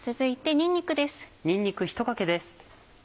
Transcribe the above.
にんにく１かけです。